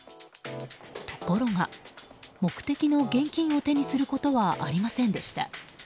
ところが目的の現金を手にすることはありませんでした。